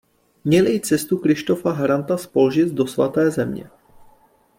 Měli i cestu Krištofa Haranta z Polžic do svaté země.